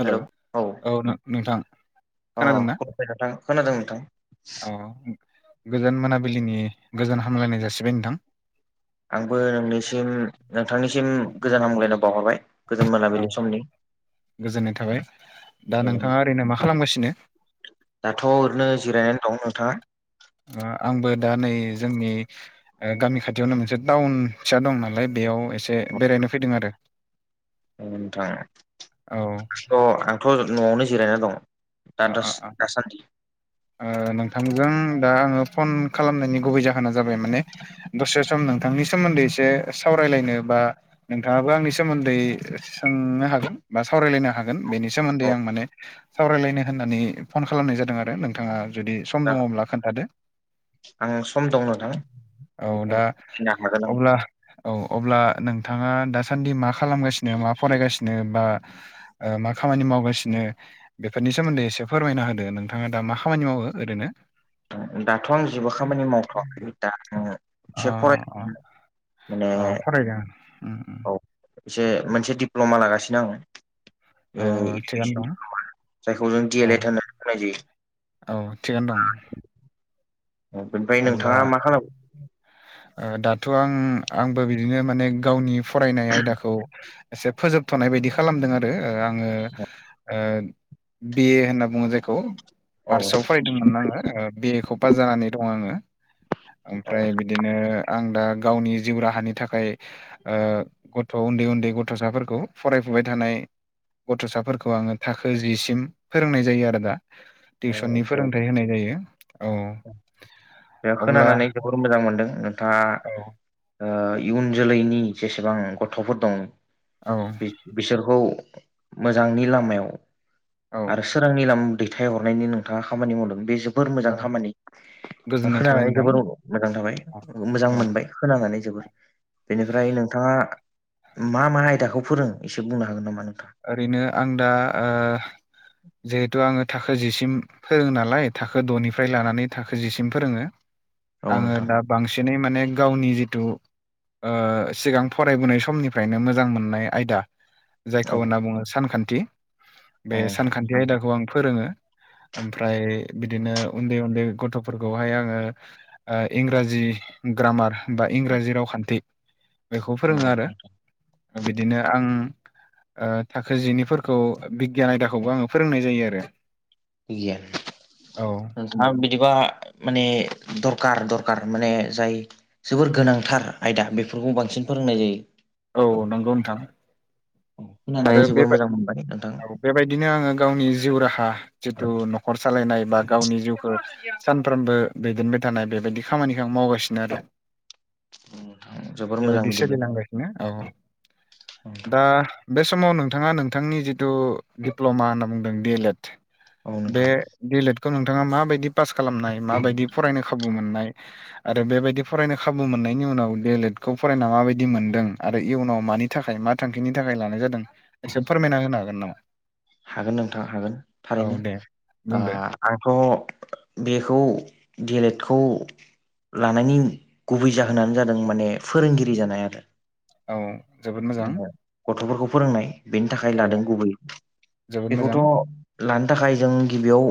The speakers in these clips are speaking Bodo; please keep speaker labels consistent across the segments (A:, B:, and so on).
A: हेल' औ नों नोंथां खोनादों ना?
B: दे नोंथां खोनादों नोंथां
A: औ गोजोन मोनाबिलिनि गोजोन हामलायनाय जासिबाय नोंथां
B: आंबो नोंनिसिम नोंथांनिसिम गोजोन हामब्लायनाय बावहरबाय गोजोन
A: औ
B: मोनाबिलि समनि
A: गोजोननाय थाबाय
B: औ
A: दा नोंथाङा ओरैनो मा खालामगासिनो?
B: दाथ' ओरैनो जिरायनानै दं नोंथाङा
A: आ आंबो दा नै जोंनि ओ गामि खाथियावनो मोनसे टाउन फिसा दं नालाय बेयाव एसे
B: औ
A: बे बेरायनो फैदों आरो औ
B: अ आंथ' न'आवनो जिरायना दं दा दास दासान्दि
A: [inaudible] ओ नोंथांजों दा आङो फन खालामनायनि गुबै जाहोना जाबाय माने दसे सम नोंथांनि सोमोन्दै एसे सावरायलायनो बा नोंथाङाबो आंनि सोमोन्दै सोंनो हागोन बा सावरायलायनो हाग हागोन बेनि सोमोन्दै
B: औ
A: आं माने सावरायलायनो होन्नानै फन खालामनाय जादों आरो नोंथाङा जुदि सम
B: दा
A: दङब्ला खोन्थादो?
B: आं सम दं नोंथां
A: औ दा
B: फिनो हागोन
A: अब्ला औ अब्ला नोंथाङा दासान्दि मा खालामगासिनो मा फरायगासिनो बा मा खामानि मावगासिनो बेफोरनि सोमोन्दै एसे फोरमायना होदो नोंथाङा दा मा खामानि मावो ओरैनो?
B: दाथ' आं जेबो खामानि मावथ'वाखै दा ओ
A: अ अ अ फरायदों उम उम।
B: औ एसे मोनसे दिप्ल'मा लागासिनो आङो। औ
A: थिगानो
B: इडुकेसन
A: दं
B: डिप्लमा, जायखौ जों डि
A: औ
B: एल एड होननानै बुंनाय जायो।
A: औ थिगानो दं।
B: ओमफ्राय
A: अब्ला
B: नोंथाङा मा खालामो?
A: दाथ' आं आंबो बिदिनो माने गावनि फरायनाय आयदाखौ एसे फोजोबथ'नाय बायदि खालामदों आरो आङो ओ बि ए होनना बुङो जायखौ।
B: औ
A: आर्टसआव फरायदोंमोन आङो बिए खौ पास जानानै दङ आङो।
B: औ
A: ओमफ्राय बिदिनो आं दा गावनि जिउ राहानि थाखाय गथ' उन्दै उन्दै गथ'साफोरखौ फरायफुबाय थानाय गथ'साफोरखौ आङो थाखो जिसिम फोरोंनाय जायो आरो दा
B: औ
A: टिउसननि
B: दे
A: फोरोंथाइ होनाय जायो, औ।
B: बेयाव
A: अब्ला
B: खोनानानै जोबोर मोजां मोनदों
A: औ
B: नोंथाङा इउन जोलैनि जेसेबां दं
A: औ।
B: बिसोरखौ मोजांनि लामायाव
A: औ
B: आरो सोरांनि लामा दैथायहरनायनि नोंथाङा खामानि मावदों बे जोबोर मोजां
A: औ
B: खामानि।
A: गोजोननाय थाबाय
B: खोनानानै
A: नोंथां
B: जोबोर मोजां
A: औ
B: थाबाय मोजां
A: औ
B: मोनबाय खोननानै जोबोर बेनिफ्राय नोंथाङा मा मा आयदाखौ फोरों एसे बुंनो हागोन नामा नोंथां?
A: ओरैनो आं दा जिहेथु आङो थाखो जिसिम फोरोङो नालाय थाखो द'निफ्राय लानानै थाखो जिसिम फोरोङो
B: औ
A: आङो
B: नोंथां
A: दा बांसिनै माने गावनि जिथु औ सिगां फरायबोनाय समनिफ्रायनो मोजां मोननाय आयदा
B: औ
A: बेखौ होनना सानखान्थि
B: औ
A: बे सानखान्थि
B: नोंथां
A: आं फोरोङो। ओमफ्राय बिदिनो उन्दै उन्दै गथ'फोरखौहाय आङो इंराजि ग्रामार बा इंराजि रावखान्थि बेखौ
B: औ
A: फोरोङो आरो बिदिनो आं औ थाखो जिनिफोरखौ बिगियान आयदाखौबो आङो फोरोंनाय जायो आरो। औ
B: [unintelligible] ना बिदिबा माने दरखार दरखार माने जाय जोबोर गोनांथार आयदा बेफोरखौ बांसिन फोरोंनाय जायो।
A: औ नंगौ नोंथां। आरो
B: खोनानानै
A: बे
B: जोबोर मोनबाय नोंथां।
A: औ बेबायदिनो आङो गावनि जिउ राहा जिथु न'खर सालायनाय बा गावनि जिउखौ सानफ्रोमबो दैदेनबाय थानाय बेबायदि खामानिखौ आं मावगासि नो आरो।
B: [inaudible] मोजां
A: बेबायदि
B: बिदिब्ला
A: सोलिलांगासिनो औ
B: नोंथां
A: दा बे समाव नोंथाङा नोंथांनि जिथु दिप्ल'मा होनना बुंदों डि एल एड
B: औ
A: बे
B: नोंथां
A: बिल एड खौ नोंथाङा माबायदि पास खालामनाय माबायदि फरायनो खाबु मोननाय? आरो बेबायदि फरायनो खाबु मोननायनि उनाव एल एटखौ फरायना माबायदि मोनदों आरो इयुनाव मानि थाखाय मा थांखिनि थाखाय लानाय जादों एसे फोरमायना होनो हागोन नामा?
B: हागोन नोंथां हागोन
A: औ
B: थारैनो।
A: दे बुंदो
B: आंहा आंथ' बेखौ गेलेटखौ लानायनि गुबै जाहोनानो जादों माने फोरोंगिरि जानाय आरो।
A: औ जोबोद मोजां।
B: माने गथ'फोरखौ फोरोंनाय बेनि थाखाय
A: औ
B: लादों गुबै
A: जोबोद मोजां
B: बेखौथ' लानो थाखाय जों गिबियाव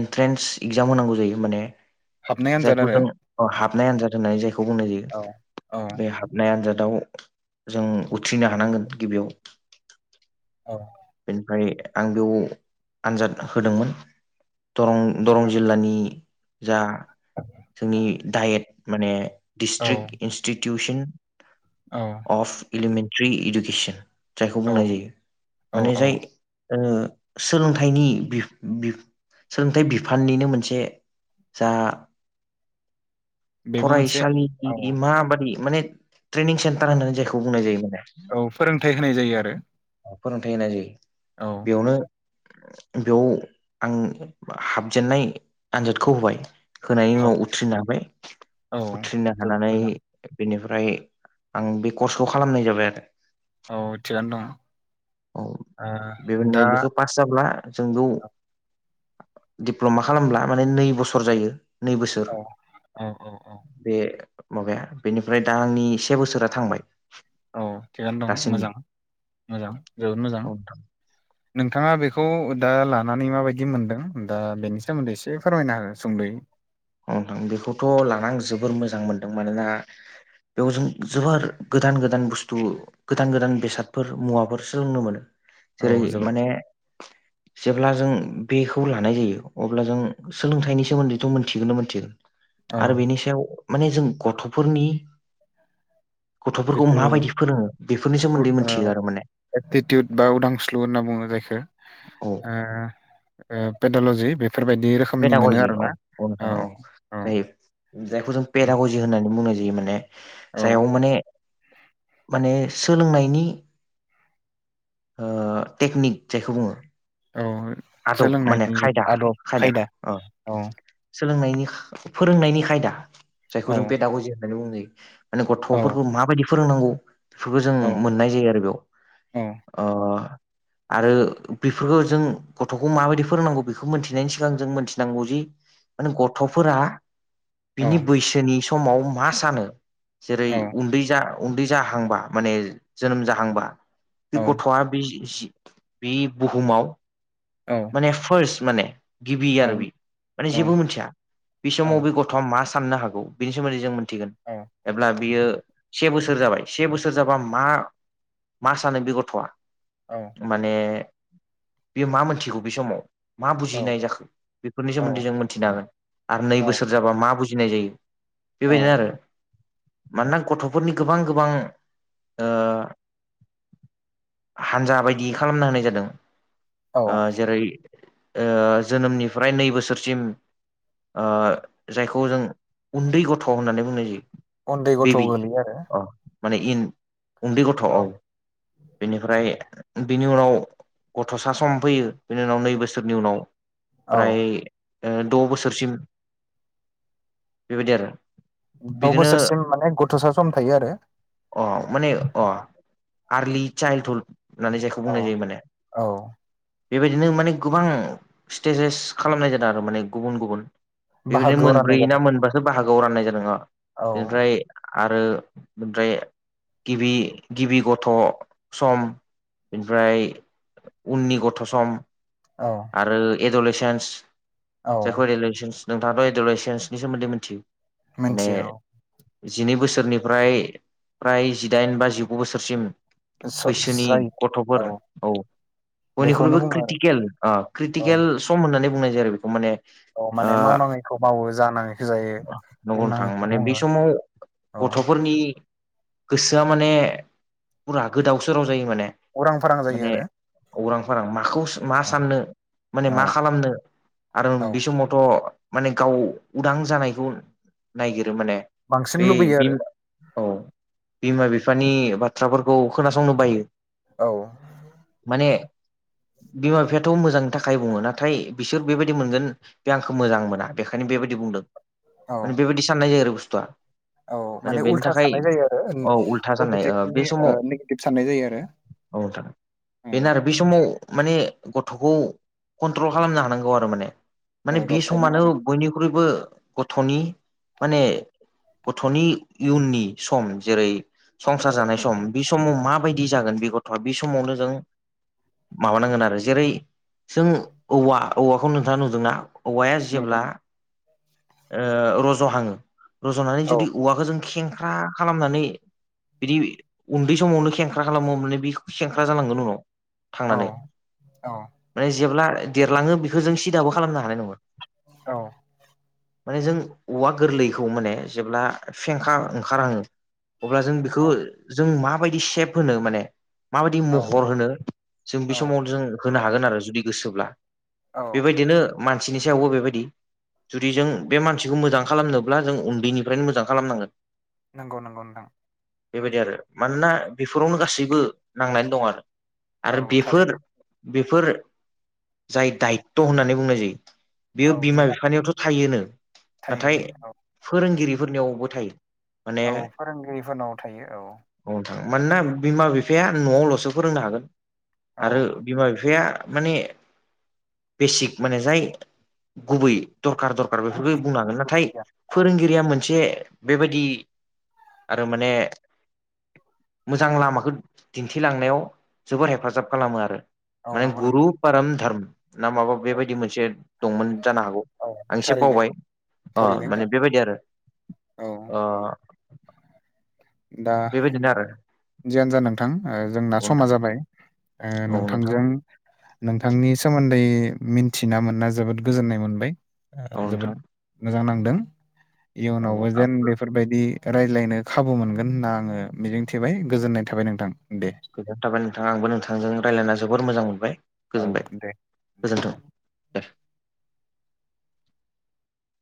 B: एन्ट्रेन्स एगजाम होनांगौ जायो माने
A: हाबनाय आनजाद
B: जायखौ
A: आरो
B: जों ओ
A: औ
B: हाबनाय आन्जाद होननानै जायखौ बुंनाय
A: औ
B: जायो
A: औ
B: बे हाब नाय आनजादाव जों उथ्रिनो हानांगोन गिबियाव।
A: औ।
B: बेनिफ्राय आं बेयाव आनजाद होदोंमोन। दरं-दरं जिल्लानि जा जोंनि डायेट माने डिस्ट्रिक्ट इन्स्टिटिउसन
A: औ।
B: अफ एलिमेन्टारि इडुकेसन जायखौ
A: औ
B: बुंनाय जायो
A: औ
B: माने
A: औ
B: जाय ओ सोलोंथाइनि बिफ-बिफ सोलोंथाइ बिफाननिनो मोनसे जा
A: बेबो मोनसे औ
B: फरायसालिनि माबादि माने ट्रेनिं सेन्टार होननानै जायखौ बुंनाय जायो माने।
A: औ फोरोंथायाइ होनाय जायो आरो।
B: फोरोंथाय होनाय जायो।
A: औ।
B: बेयावनो बेयाव आं हाबजेननाय आनजादखौ होबाय। होनायनि
A: औ
B: उनाव उथ्रिनो हाबाय।
A: औ
B: उथ्रिनो
A: जोबोद
B: हानानै
A: मोजां
B: बेनिफ्राय आं बे कर्सखौ खालामनाय जाबाय आरो।
A: औ थिगानो दं।
B: औ
A: ओ
B: बिबादिनो
A: दा
B: बिखौ पास जाब्ला जों बेयाव दिप्ल'मा खालामब्ला माने नै बोसोर जायो। नै बोसोर।
A: औ औ औ औ
B: बे माबाया बेनिफ्राय दा आंनि से बोसोरा थांबाय।
A: औ थिगानो दं
B: दासिम
A: मोजां-मोजां जोबोद मोजां।
B: औ नोंथां
A: नोंथाङा बेखौ दा लानानै माबायदि मोनदों दा बेनि सोमोन्दै एसे फोरमायना हो सुंद'यै।
B: औ नोंथां बेखौथ' लानानै आं जोबोर मोजां मोनदों मानोना बेयाव जों जोबोर गोदान-गोदान बुस्थु गोदान-गोदान बेसादफोर मुवाफोर सोलोंनो मोनो
A: औ
B: जेरै
A: जोबोद
B: माने जेब्ला जों बेखौ लानाय जायो अब्ला जों सोलोंथाइनि सोमोन्दैथ' मोन थिगोनो मोनथिगोन
A: औ
B: आरो बेनि सायाव माने जों गथ'फोरनि गथ'फोरखौ
A: जिथु
B: माबायदि फोरोङो बेफोरनि सोमोन्दै मिथियो आरो माने।
A: एटिटिउत बा उदांस्लु होनना बुङो जायखौ
B: औ
A: ओ ओ पेडल'जि बेफोरबायदि रोखोम
B: पेदागजि औ-औ नथाङा औ जायो जायखौ जों
A: उम
B: पेदागजि होननानै बुंनाय जायो माने
A: औ
B: जायाव माने-माने सोलोंनायनि ओ टेकनिक जायखौ बुङो
A: औ
B: आदब माने
A: सोलोंनायनि आदब
B: खायदा-खायदा
A: खायदा
B: ओ
A: औ
B: सोलोंनायनि फोरोंनायनि खायदा जायखौ जों
A: औ
B: पेदागजि उन्दै -उन्दै माने
A: औ
B: गथ'फोरखौ माबायदि फोरोंनांगौ बेफोरखौ जों
A: औ
B: मोननाय जायो आरो
A: औ
B: बेयाव। ओ आरो बेफोरखौ जों गथ'खौ माबायदि फोरोंनांगौ बेखौ मोनथिनायनि सिगां जों मिथिनांगौ जि माने गथ'फोरा बिनि बैसोनि समाव मा सानो जेरै
A: औ
B: उन्दै जा उन्दै जाहांबा माने जोनोम जाहांबा
A: औ
B: बे गथ'आ बे जि बे बुहुमाव
A: औ।
B: माने फारस्त माने गिबि आरो
A: औ
B: बि माने
A: औ
B: जेबो मोनथिया बे
A: औ
B: समाव बे गथ' गथ'आ मा साननो हागौ बिनि सोमोन्दै जों मोनथिगोन एब्ला बियो से बोसोर जाबाय से बोसोर जाबा मा- मा सानो बे गथ'आ?
A: औ
B: माने बेयो मा मोनथिगौ बे समाव मा
A: औ
B: बुजिनाय जाखो? बेफोरनि सोमोन्दै जों मोनथिनो हागोन आरो नै बोसोर जाबा मा बुजिनाय जायो
A: औ
B: बेबायदिनो आरो। मानोना गथ'फोरनि गोबां गोबां ओ हानजा बायदि खालामना होनाय जादों।
A: औ
B: ओ जेरै ओ जोनोमनिफ्राय नै बोसोरसिम ओ जायखौ जों उन्दै गथ' होननानै बुंनाय जायो।
A: उन्दै गथ'
B: बेबि
A: गोलैयो आरो
B: अ माने इन उन्दै गथ' औ। बेनिफ्राय बिनि उनाव गथ'सा सम फैयो बेनि उनाव नै बोसोरनि उनाव
A: औ
B: फ्राय ओ द' बोसोरसिम बेबायदि आरो।
A: द'
B: बिदिनो
A: बोसोरसिम माने गथ'सा सम थायोआरो।
B: अ' माने अ'। आरलि चाइल्दहुद होननानै जायखौ
A: औ
B: बुंनाय जायो माने।
A: औ
B: बेबायदिनो माने गोबां स्टेजेस खालामनाय जादों आरो माने गुबुन गुबुन। बेबायदिनो
A: बाहागोआव
B: मोनब्रै
A: राननाय
B: ना
A: जादों
B: मोनबासो बाहागोआव राननाय जादोंहा
A: औ
B: बेनिफ्राय आरो ओमफ्राय गिबि गिबि ग थ' सम बेनिफ्राय उननि गथ' सम
A: औ
B: आरो एडलेसेन्स
A: औ
B: एडलेसेन्स नोंथाङाबो एडलेसेन्सनि सोमोन्दै मिथियो माने
A: मिथियो औ
B: जिनै बोसोरनिफ्राय फ्राय जिदाइन बा जिगु बोसोरसिम बैसोनि
A: जायो
B: गथ'फोर औ
A: बेखौनो
B: बयनिख्रुइबो
A: बुङो आरो
B: क्रिटिकेल ओ
A: औ
B: क्रिटिकेल सम होन्नानै बुंनाय जायोआरो बेखौ माने।
A: औ
B: ओ
A: माने मावनाङैखौ मावो जानाङैखौ जायो
B: नंगौ नोंथां
A: बुंनाङैखौ
B: माने बे
A: बुङो
B: समाव
A: औ
B: गथ'फोरनि गोसोआ माने फुरा गोदाव सोराव जायो माने।
A: उरां फारां जायोआरो।
B: उरां फारां माखौ मा साननो माने
A: औ
B: मा खालामनो आरो
A: औ
B: बे समावथ' माने गाव उदां जानायखौ नायगिरो माने
A: बांसिन
B: बे
A: लुबैयो
B: बि
A: आरो
B: औ। बिमा बिफानि बाथ्राफोरखौ खोनासंनो बायो।
A: औ
B: माने बिमा बिफायाथ' मोजांनि थाखाय बुङो नाथाय बिसोर बेबायदि मोनगोन बे आंखौ मोजां मोना बेखायनो बेबायदि बुंदों
A: औ
B: माने बेबायदि साननाय जायो आरो बुस्थुआ।
A: औ माने
B: बेनि
A: उल्था
B: थाखाय
A: साननाय जायो आरो उम
B: औ उल्था साननाय ओ बे
A: पजिटिभनि ओ
B: समाव
A: निकिटिभ साननाय जायो आरो।
B: औ नोंथां। बेनो आरो बि समाव माने गथ'खौ कन्ट्रल खालामनो हानांगौ आरो माने। माने
A: औ
B: बे
A: दबथायनो
B: समानो बयनिख्रुइबो गथ'नि माने गथ'नि इयुननि सम जेरै संसार जानाय स सम बि समाव माबायदि जागोन बि गथ'आ बि समावनो जों माबानांगोन आरो जेरै जों औवा औवाखौ नोंथाङा नुदोंना? औवाया
A: हानांगौ
B: जेब्ला ओ रज'हाङो रज'नानै
A: औ
B: जुदि औवाखौ जों खेंख्रा खालामनानै बिदि उन्दै समावनो खेंख्रा खालामोअमबानिया बि खेंख्रा जालांगोन उनाव
A: औ
B: थांनानै
A: औ
B: माने जेब्ला देरलाङो बिखो जों सिदाबो खालामनो हानाय नङा
A: औ
B: माने जों औवा गोरलैखौ माने जेब्ला फेंखा ओंखारहाङो अब्ला जों बिखो
A: औ
B: जों माबायदि सेप होनो माने माबायदि
A: औ
B: महर होनो जों बि
A: औ
B: समाव जों होनो हागोन आरो जुदि गोसोब्ला
A: औ
B: बेबायदिनो मानसिनि सायावबो बेबायदि जुदि जों बे मानसिखौ मोजां खालामनोब्ला जों उन्दैनिफ्रायनो मोजां खालामनांगोन।
A: नोंगौ नोंगौ नोंथां
B: बेबायदि आरो मानोना बिफोरावनो गासैबो नांनानै दं आरो
A: औ
B: आरो बेफोर
A: थारैनो
B: बेफोर जाय दायत' होननानै बुंनाय जायो। बेयो
A: औ
B: बिमा
A: बिबान
B: बिफानियावथ' थायोनो
A: थायो
B: नाथाय
A: औ
B: फोरोंगिरिफोरनियावबो थायो। माने
A: औ फोरोंगिरिफोरनाव थायो औ
B: औ नोंथां मानोना बिमा बिफाया न'आवल'सो फोरोंनो हागोन
A: औ
B: आरो बिमा बिफाया माने बेसिग माने जाय गुबै दरकार दरकार बेफोरखौ
A: गुदि
B: बुंनो हागोन
A: गुदि
B: नाथाय
A: गियान औ
B: फोरोंगिरिया मोनसे बेबायदि आरो माने मोजां लामाखौ दिन्थिलांनायाव जोबोर हेफाजाब खालामो आरो
A: औ
B: माने
A: नंगौ
B: गुरु
A: नोंथां
B: पाराम धाराम ना माबा
A: औ
B: बेबायदि मोनसे दंमोन जानो हागौ।
A: औ
B: आं एसे
A: थारैनो
B: बावबाय अ
A: थारैनो औ
B: माने बेबायदि आरो
A: औ
B: अ
A: दा
B: बेबायदिनो आरो
A: जियानो जा नोंथां जोंना
B: औ
A: समा
B: नोंथां
A: जाबाय
B: औ नोंथां
A: नोंथांजों नोंथांनि सोमोन्दै मिनथिना मोनना जोबोद गोजोननाय मोनबाय। ओ
B: औ
A: जोबोद
B: नोंथां
A: मोजां नांदों इयुनावबो
B: औ
A: जेन बेफोरबायदि रायलायनो खाबु मोनगोन होनना आङो मिजिंथिबाय गोजोननाय थाबाय नोंथां दे।
B: गोजोननाय थाबाय नोंथां आंबो नोंथांजों रायलायना जोबोद मोजां मोनबाय
A: औ
B: गोजोनबाय
A: दे
B: गोजोनथों।